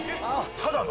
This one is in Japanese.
ただの？